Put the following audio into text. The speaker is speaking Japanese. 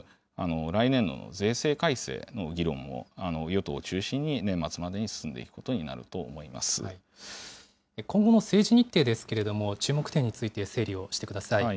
来年度の税制改正の議論も与党を中心に年末までに進めてい今後の政治日程ですけれども、注目点について整理をしてください。